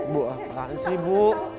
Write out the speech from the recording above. bu apaan sih bu